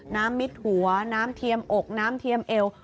มิดหัวน้ำเทียมอกน้ำเทียมเอว